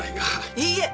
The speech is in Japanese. いいえ！